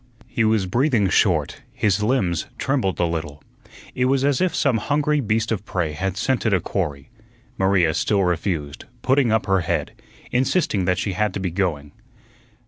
He was breathing short, his limbs trembled a little. It was as if some hungry beast of prey had scented a quarry. Maria still refused, putting up her head, insisting that she had to be going.